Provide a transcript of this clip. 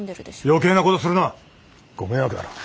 余計なことするな！ご迷惑だろう！